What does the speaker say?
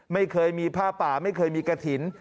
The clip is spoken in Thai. ไม่เคยมีผ้าป่าไม่เคยมีกระถิ่น